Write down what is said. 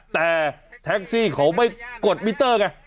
แต่แท็กซี่เขาไม่กดมิเตอร์ไง